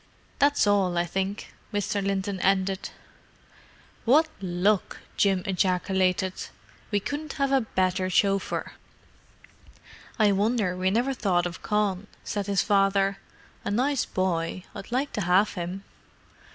That's all, I think," Mr. Linton ended. "What luck!" Jim ejaculated. "We couldn't have a better chauffeur." "I wonder we never thought of Con," said his father. "A nice boy; I'd like to have him."